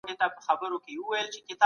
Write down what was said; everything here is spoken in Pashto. څنګه کولای سو چي خپل کوډ نور هم منظم کړو؟